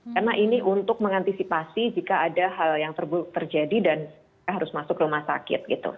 karena ini untuk mengantisipasi jika ada hal yang terjadi dan harus masuk rumah sakit